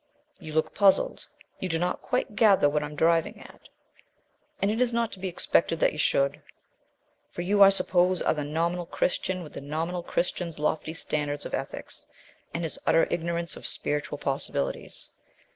"You look puzzled. You do not quite gather what I am driving at; and it is not to be expected that you should, for you, I suppose, are the nominal Christian with the nominal Christian's lofty standard of ethics, and his utter ignorance of spiritual possibilities.